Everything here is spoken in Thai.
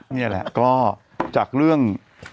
นี่แหละก็จากเรื่อง